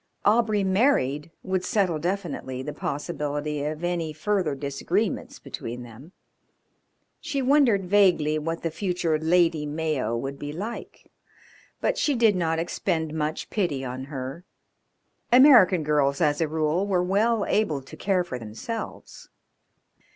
Aubrey married would settle definitely the possibility of any further disagreements between them. She wondered vaguely what the future Lady Mayo would be like, but she did not expend much pity on her. American girls as a rule were well able to care for themselves.